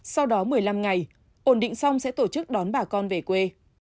sau đó một mươi năm ngày ổn định xong sẽ tổ chức đón bà con về quê